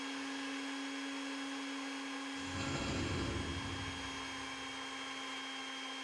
غول د هورموني بدلون نښه ده.